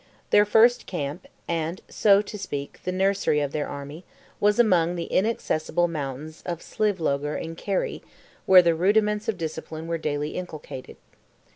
Their first camp, and, so to speak, the nursery of their army, was among the inaccessible mountains of Slievelogher in Kerry, where the rudiments of discipline were daily inculcated.